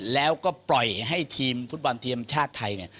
แล้วก็ปล่อยให้ทีมฟุตบอลทีมชาติไทยเนี่ย